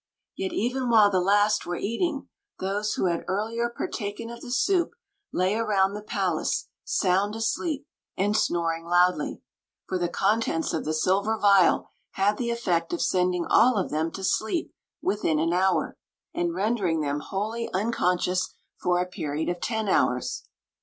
Yet, even while the last were eating, those who had earlier partaken of the soup lay around the pal ace sound asleep and snoring loudly ; for the contents Story of the Magic Cloak 281 of the Silver Vial had the effect of sending all of them to sleep within an hour, and rendering them wholly unconscious for a period of ten hours.